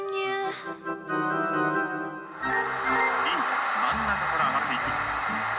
ini kollakin berhasil